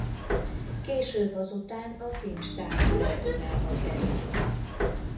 Később azután a kincstár tulajdonába került.